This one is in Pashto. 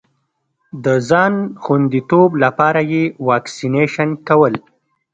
د ځان خوندیتوب لپاره یې واکسېنېشن کول.